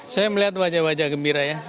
saya melihat wajah wajah gembira ya